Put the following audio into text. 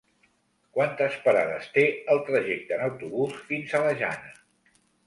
Quantes parades té el trajecte en autobús fins a la Jana?